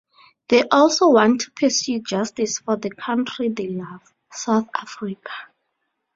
They also want to pursue justice for the country they love, South Africa.